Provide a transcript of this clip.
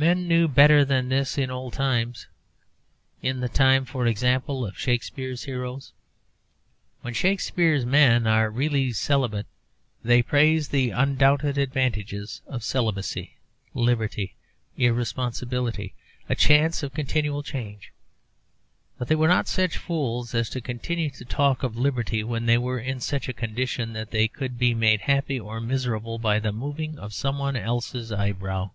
Men knew better than this in old times in the time, for example, of Shakespeare's heroes. When Shakespeare's men are really celibate they praise the undoubted advantages of celibacy, liberty, irresponsibility, a chance of continual change. But they were not such fools as to continue to talk of liberty when they were in such a condition that they could be made happy or miserable by the moving of someone else's eyebrow.